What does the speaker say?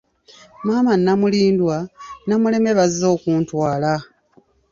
Maama Namulindwa, Namuleme bazze okuntwala